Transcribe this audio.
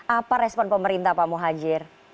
apa respon pemerintah pak muhajir